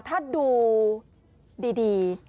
ถ้าดูดี